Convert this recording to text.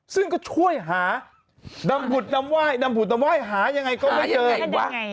ซึ่งก็ช่วยหาดำผุดดำว่ายดำผุดดำว่ายหายังไงก็ไม่เจอ